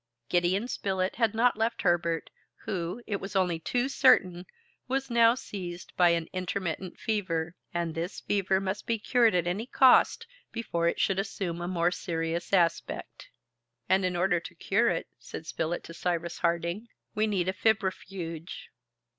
Gideon Spilett had not left Herbert, who, it was only too certain, was now seized by an intermittent fever, and this fever must be cured at any cost before it should assume a more serious aspect. "And in order to cure it," said Spilett to Cyrus Harding, "we need a febrifuge."